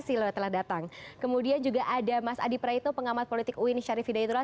silo telah datang kemudian juga ada mas adi praetno pengamat politik uin syarif hidayatullah